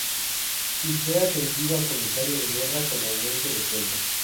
Y fue ascendido a Comisario de Guerra con aumento de sueldo.